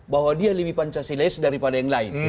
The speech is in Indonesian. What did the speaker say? bahwa dia lebih pancasilais daripada yang lain